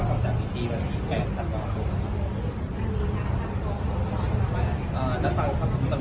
นัดฟังสำนวนคำสั่งของพนักงานปรับสรรค์